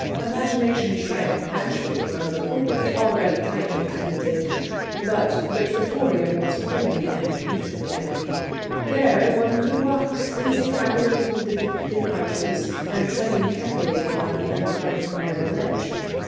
Imagination shrank bashfully from the pulpit already tightly tenanted, but the triforium was plainly and beautifully empty; there one could walk, squeezing happily through the deep thin arches and treading carefully by the unguarded narrow ledge.